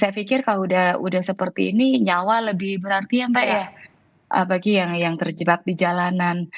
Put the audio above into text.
saya pikir kalau udah seperti ini nyawa lebih berarti ya mbak ya bagi yang terjebak di jalanan